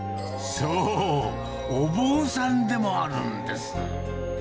そう、お坊さんでもあるんです。